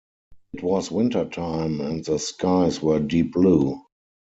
It was wintertime, and the skies were deep blue.